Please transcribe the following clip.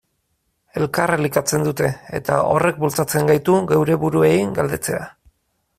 Elkar elikatzen dute, eta horrek bultzatzen gaitu geure buruei galdetzera.